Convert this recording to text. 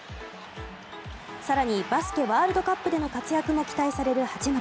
更に、バスケワールドカップでの活躍も期待される八村。